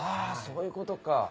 あそういうことか。